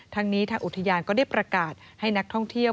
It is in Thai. ทางนี้ทางอุทยานก็ได้ประกาศให้นักท่องเที่ยว